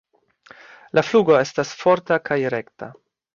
La flugo estas forta kaj rekta.